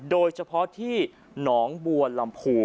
โดยเฉพาะที่หนองบัวลำพู